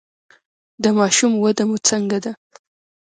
د ماشوم وده مو څنګه ده؟